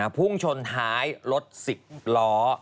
พุ่งชนท้ายรถ๑๐ล้อ